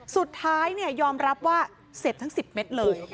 สุดท้ายเนี่ยยอมรับว่าเสพทั้งสิบเม็ดเลย